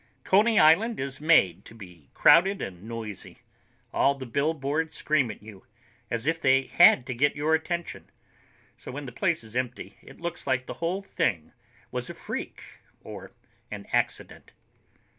Coney Island is made to be crowded and noisy. All the billboards scream at you, as if they had to get your attention. So when the place is empty, it looks like the whole thing was a freak or an accident.